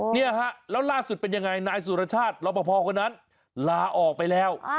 เนี่ยฮะแล้วล่าสุดเป็นยังไงนายสุรชาติรอปภคนนั้นลาออกไปแล้ว